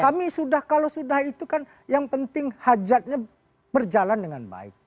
kami sudah kalau sudah itu kan yang penting hajatnya berjalan dengan baik